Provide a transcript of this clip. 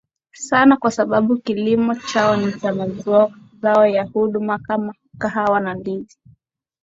sana kwa sababu kilimo chao ni cha mazao ya kudumu kama kahawa na ndizi